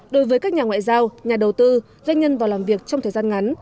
đối với các nhà ngoại giao nhà đầu tư doanh nhân vào làm việc trong thời gian ngắn